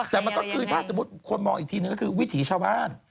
แต่มันก็คือถ้าสมมุติคนมองอีกทีนึงก็คือวิถีชาวบ้าน